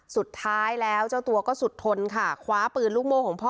สุดท้ายแล้วเจ้าตัวก็สุดทนค่ะคว้าปืนลูกโม่ของพ่อ